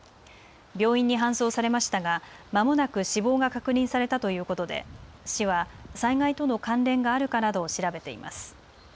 病院に搬送されましたがまもなく死亡が確認されたということで市は災害との関連があるかなどを調べています。